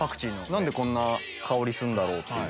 何でこんな香りするんだろうっていう。